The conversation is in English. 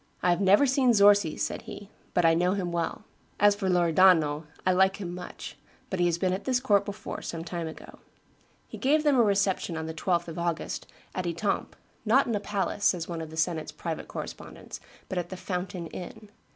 "I have never seen Zorzi," said he, "but I know him well; as for Loredano, I like him much; he has been at this court before, some time ago." He gave them a reception on the 12th of August, at Etampes, "not in a palace," says one of the senate's private correspondents, "but at the Fountain inn.